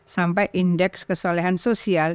sampai indeks kesolehan sosial